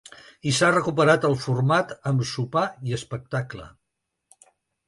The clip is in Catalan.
I s’ha recuperat el format amb sopar i espectacle.